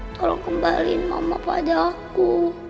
tolong kembaliin mama pada aku